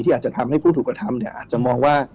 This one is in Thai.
ที่อาจจะทำให้ผู้ถูกกระทำอาจจะมองว่า